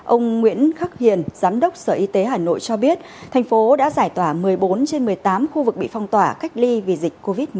ông nguyễn khắc hiền giám đốc sở y tế hà nội cho biết thành phố đã giải tỏa một mươi bốn trên một mươi tám khu vực bị phong tỏa cách ly vì dịch covid một mươi chín